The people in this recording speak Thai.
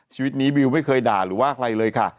ชีวิตนี้บิวไม่เคยด่าหรือว่าใครเลยค่ะ